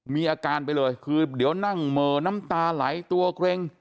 มีอาการไปเลยคือเดี๋ยวนั่งเหม่อน้ำตาไหลตัวเกร็ง